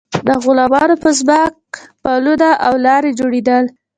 د غلامانو په ځواک پلونه او لارې جوړیدل.